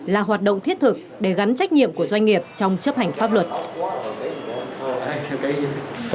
là hoạt động thiết thực để gắn trách nhiệm của doanh nghiệp trong chấp hành pháp luật